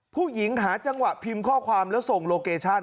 ผู้หญิงหาจังหวะพิมพ์ข้อความแล้วส่งโลเกชัน